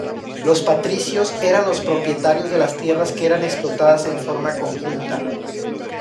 Los patricios eran los propietarios de las tierras que eran explotadas en forma conjunta.